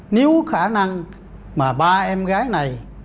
nếu khả năng mà ba em gái này